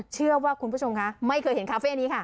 เชื่อว่าคุณผู้ชมคะไม่เคยเห็นคาเฟ่นี้ค่ะ